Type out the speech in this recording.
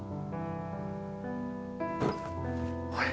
おい。